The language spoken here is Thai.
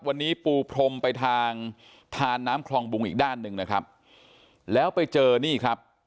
วันนี้ปูพรมไปทางทานน้ำคลองบุงอีกด้านหนึ่งนะครับแล้วไปเจอนี่ครับ